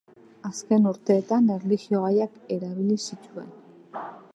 Azken urteetan erlijio-gaiak erabili zituen.